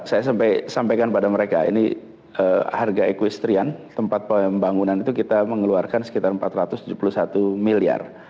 saya sampaikan pada mereka ini harga equestrian tempat pembangunan itu kita mengeluarkan sekitar empat ratus tujuh puluh satu miliar